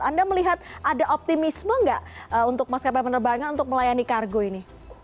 anda melihat ada optimisme nggak untuk maskapai penerbangan untuk melayani kargo ini